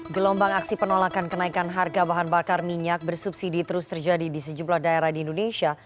gelombang aksi penolakan kenaikan harga bahan bakar minyak bersubsidi terus terjadi di sejumlah daerah di indonesia